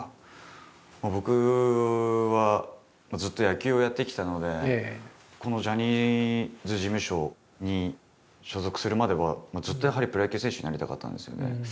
僕はずっと野球をやってきたのでこのジャニーズ事務所に所属するまではずっとやはりプロ野球選手になりたかったんですよね。